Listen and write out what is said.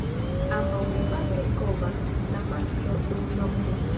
Ambaŭ gepatroj kovas, la masklo dumnokte.